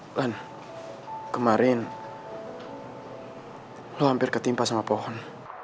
bukan kemarin lo hampir ketimpa sama pohon